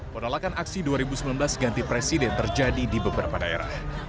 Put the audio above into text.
penolakan aksi dua ribu sembilan belas ganti presiden terjadi di beberapa daerah